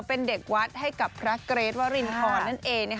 เป็นเด็กวัดให้กับพระเกรทวรินทรนั่นเอง